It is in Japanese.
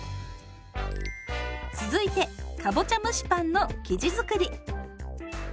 続いてかぼちゃ蒸しパンの生地作り。